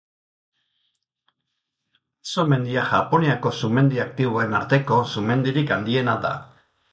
Aso mendia Japoniako sumendi aktiboen arteko sumendirik handiena da.